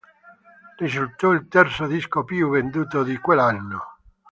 Risultò il terzo disco più venduto di quell'anno.